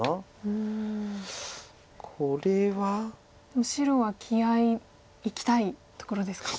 もう白は気合いいきたいところですか。